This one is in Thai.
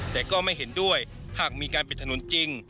แต่ก็ไม่เห็นด้วยหากมีการปิดถนนจริง